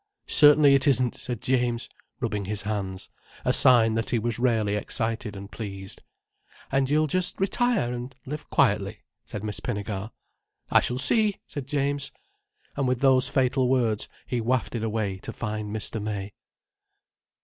"Certainly it isn't," said James, rubbing his hands: a sign that he was rarely excited and pleased. "And you'll just retire, and live quietly," said Miss Pinnegar. "I shall see," said James. And with those fatal words he wafted away to find Mr. May.